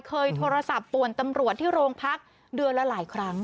เคยโทรศัพท์ป่วนตำรวจที่โรงพักเดือนละหลายครั้ง